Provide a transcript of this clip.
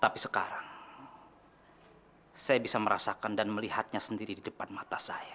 tapi sekarang saya bisa merasakan dan melihatnya sendiri di depan mata saya